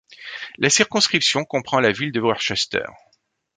La circonscription comprend la ville de Worcester.